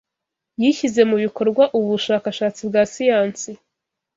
Yishyize mu bikorwa ubu bushakashatsi bwa siyansi.